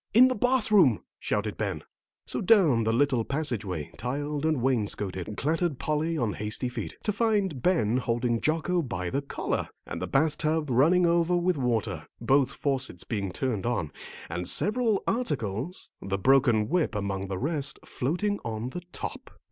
"In the bath room," shouted Ben. So down the little passageway, tiled and wainscoted, clattered Polly on hasty feet, to find Ben holding Jocko by the collar, and the bath tub running over with water, both faucets being turned on, and several articles, the broken whip among the rest, floating on the top.